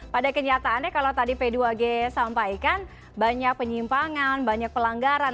pada kenyataannya kalau tadi p dua g sampaikan banyak penyimpangan banyak pelanggaran